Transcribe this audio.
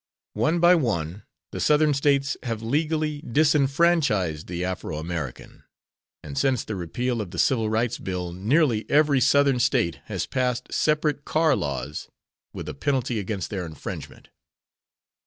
One by one the Southern States have legally(?) disfranchised the Afro American, and since the repeal of the Civil Rights Bill nearly every Southern State has passed separate car laws with a penalty against their infringement.